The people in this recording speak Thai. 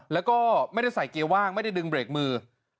แล้วก็ไม่ได้ใส่เกียร์ว่างไม่ได้ดึงเบรกมือ